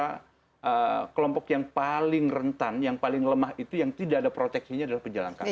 karena kelompok yang paling rentan yang paling lemah itu yang tidak ada proteksinya adalah penjalan kaki